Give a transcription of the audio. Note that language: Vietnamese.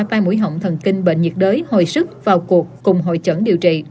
tai mũi họng thần kinh bệnh nhiệt đới hồi sức vào cuộc cùng hội chẩn điều trị